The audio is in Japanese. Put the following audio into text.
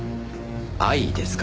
愛ですか？